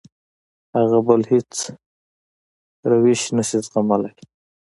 هغه بل هېڅ روش نه شي زغملی.